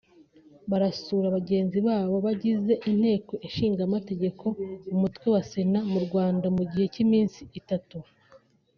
barasura bagenzi babo bagize Inteko Ishinga Amategeko umutwe wa Sena mu Rwanda mu gihe cy’iminsi itatu